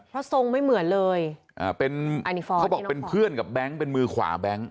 เพราะทรงไม่เหมือนเลยเป็นเขาบอกเป็นเพื่อนกับแบงค์เป็นมือขวาแบงค์